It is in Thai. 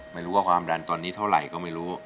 ไม่รู้ว่าความดันตอนนี้เท่าไหร่ก็ไม่รู้